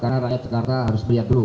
karena rakyat jakarta harus melihat dulu